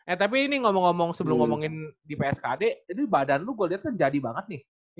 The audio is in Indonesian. eh tapi ini ngomong ngomong sebelum ngomongin di pskd ini badan lo gue lihat kan jadi banget nih